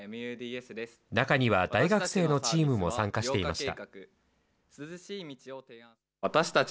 中には大学生のチームも参加していました。